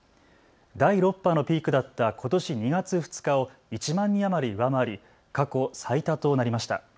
第６波のピークだったことし２月２日を１万人余り上回り過去最多となりました。